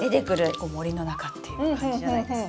森の中っていう感じじゃないですか？